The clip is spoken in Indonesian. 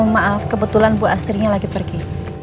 maaf kebetulan bu astrinya lagi pergi